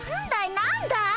なんだい？